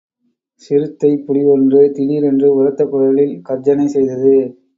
சிறுத்தைப் புலி ஒன்று திடீரென்று உரத்த குரலில் கர்ஜனை செய்தது.